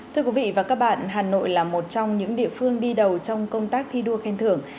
thưa quý vị và các bạn hà nội là một trong những địa phương đi đầu trong công tác thi đua khen thưởng